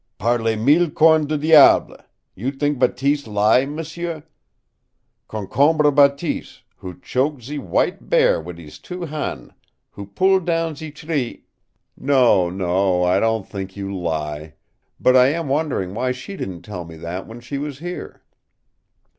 "PAR LES MILLE CORNES DU DIABLE, you t'ink Bateese lie, m'sieu? Concombre Bateese, who choke ze w'ite bear wit' hees two ban', who pull down ze tree " "No, no, I don't think you lie. But I am wondering why she didn't tell me that when she was here."